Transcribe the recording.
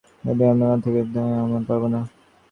যদি আমরা একসাথে থাকি, তাহলে আমরা পারবো না।